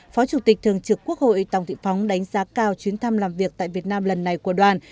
phó chủ tịch thường trực quốc hội tòng thị phóng đánh giá cao chuyến thăm làm việc tại việt nam lần này của đoàn